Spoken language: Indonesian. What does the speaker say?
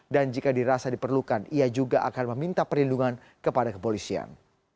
dan jika dirasa diperlukan ia juga akan meminta perlindungan kepada kepolisian